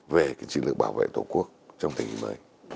về cái chương trình bảo vệ tổ quốc trong thời kỳ mới